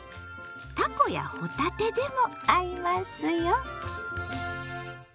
たこやほたてでも合いますよ。